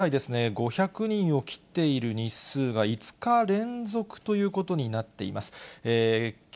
現在ですね、５００人を切っている日数が５日連続ということになっています。